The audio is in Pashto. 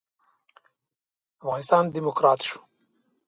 افغانستان ډيموکرات شو.